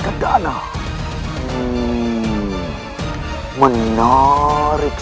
kau tak pernah mengatakan